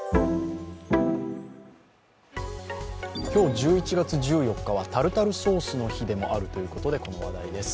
今日１１月１４日はタルタルソースの日でもあるということでこの話題です。